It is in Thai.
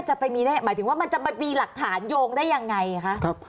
หมายถึงว่ามันจะไปมีหลักฐานโยงได้ยังไงครับ